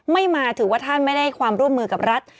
มาถือว่าท่านไม่ได้ความร่วมมือกับรัฐ